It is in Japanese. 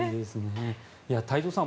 太蔵さん